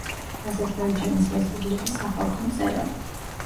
აზერბაიჯანის რესპუბლიკის სახალხო მწერალი.